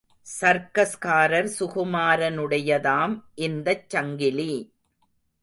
சர்க்கஸ்காரர் சுகுமாரனுடையதாம் இந்தச் சங்கிலி!